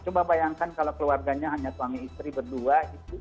coba bayangkan kalau keluarganya hanya suami istri berdua